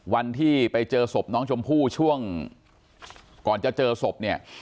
วันที่ไปเจอศพน้องชมพู่ช่วงก่อนจะเจอศพเนี่ย